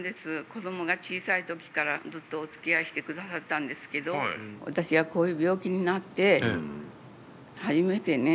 子供が小さい時からずっとおつきあいしてくださったんですけど私がこういう病気になって初めてね。